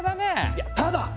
いやただ！